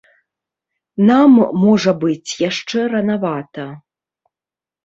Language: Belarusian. Нам, можа быць, яшчэ ранавата.